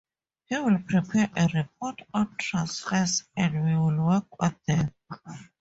He will prepare a report on transfers and we will work on them.